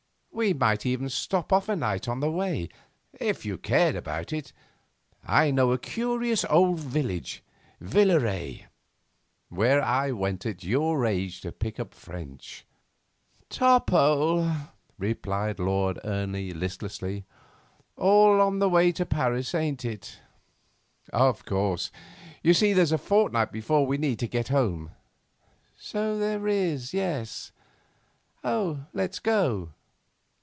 We might even stop off a night on the way if you cared about it. I know a curious old village Villaret where I went at your age to pick up French.' 'Top hole,' replied Lord Ernie listlessly. 'All on the way to Paris, ain't it?' 'Of course. You see there's a fortnight before we need get home.' 'So there is, yes. Let's go.